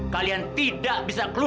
kalian tidak bisa keluar